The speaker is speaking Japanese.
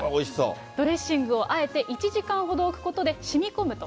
ドレッシングをあえて１時間ほど置くことで、しみこむと。